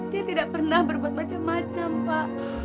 dia tidak pernah berbuat macam macam pak